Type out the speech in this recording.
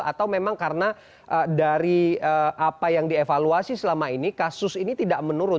atau memang karena dari apa yang dievaluasi selama ini kasus ini tidak menurun